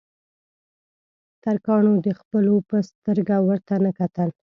ترکانو د خپلو په سترګه ورته نه کتل.